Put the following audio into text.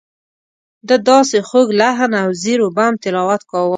ده داسې خوږ لحن او زیر و بم تلاوت کاوه.